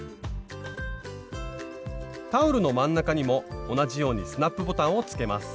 タオルの真ん中にも同じようにスナップボタンをつけます